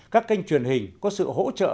các kênh truyền hình có sự hỗ trợ